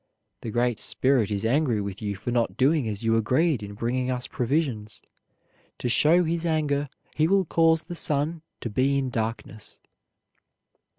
The Great Spirit is angry with you for not doing as you agreed in bringing us provisions. To show his anger he will cause the sun to be in darkness."